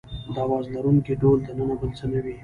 د اواز لرونکي ډهل دننه بل څه نه وي.